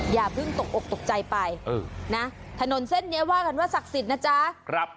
อย่าเพิ่งตกอกตกใจไปนะถนนเส้นนี้ว่ากันว่าศักดิ์สิทธิ์นะจ๊ะ